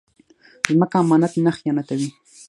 ځمکه امانت نه خیانتوي